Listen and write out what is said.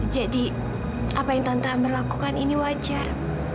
jadi apa yang tante amar lakukan ini wajar